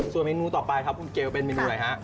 ส่วนเมนูต่อไปครับคุณเกลเป็นเมนูอะไรฮะ